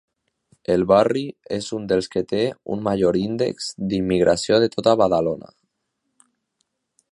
El barri és un dels que té un major índex d'immigració de tota Badalona.